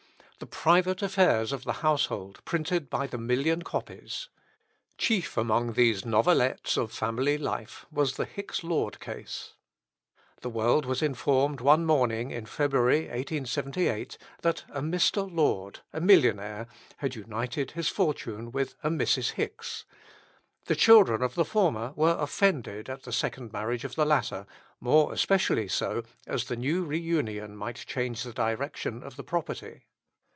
The private affairs of the household printed by the million copies. Chief among these novelettes of family life was the Hicks Lord case. The world was informed one morning in February, 1878, that a Mr. Lord, a millionaire, had united his fortune with a Mrs. Hicks. The children of the former were offended at the second marriage of the latter, more especially so as the new reunion might change the direction of the property.